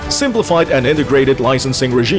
regime penyelenggaraan yang berpengurusan dan integrasi